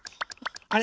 あれ？